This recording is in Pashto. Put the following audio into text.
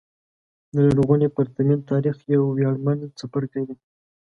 د لرغوني پرتمین تاریخ یو ویاړمن څپرکی دی.